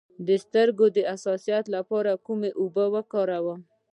د سترګو د حساسیت لپاره کومې اوبه وکاروم؟